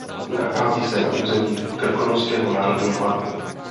Nachází se na území Krkonošského národního parku.